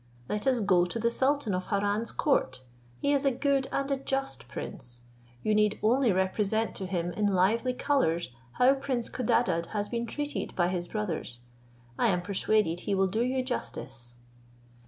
Let us go to the sultan of Harran's court; he is a good and a just prince. You need only represent to him in lively colours, how prince Codadad has been treated by his brothers. I am persuaded he will do you justice."